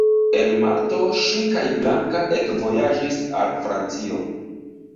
En marto ŝi kaj Blanka ekvojaĝis al Francio.